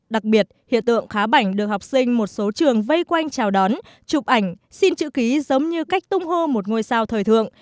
đặc biệt hiện tượng khá bảnh được học sinh một số trường vây quanh chào đón chụp ảnh xin chữ ký giống như cách tung hô một ngôi sao thời thượng